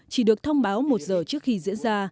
chỉ được thông báo một giờ trước khi diễn ra